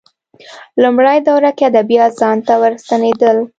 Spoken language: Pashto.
لومړۍ دوره کې ادبیات ځان ته ورستنېدل